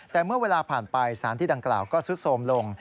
แต่เมื่อเวลาผ่านไปสถานที่ดังกล่าวก็ซุดโทรมลง